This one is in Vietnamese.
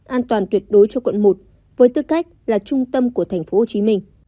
an toàn tuyệt đối cho quận một với tư cách là trung tâm của tp hcm